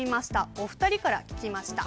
お２人から聞きました。